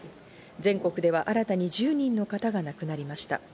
全国では新たに１０人の方が亡くなりました。